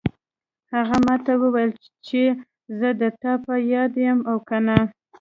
هغې ما ته وویل چې زه د تا په یاد یم او که نه